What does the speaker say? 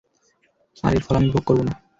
আর এর ফল আমি ভোগ করব না।